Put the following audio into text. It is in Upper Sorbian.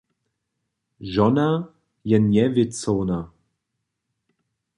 Žona je njewěcowna.